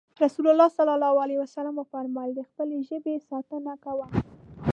رسول الله ص وفرمايل د خپلې ژبې ساتنه کوه.